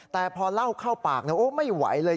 แต่พอเล่าเข้าปากไม่ไหวเลย